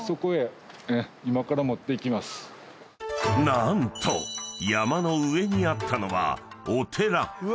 ［何と山の上にあったのはお寺］